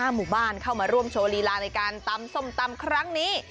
หมู่บ้านเข้ามาร่วมโชว์ลีลาในการตำส้มตำครั้งนี้